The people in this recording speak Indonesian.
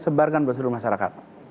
sebarkan ke seluruh masyarakat